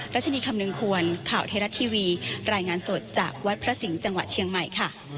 รัชนีคำนึงควรข่าวไทยรัฐทีวีรายงานสดจากวัดพระสิงห์จังหวัดเชียงใหม่ค่ะ